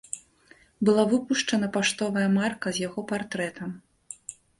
Была выпушчана паштовая марка з яго партрэтам.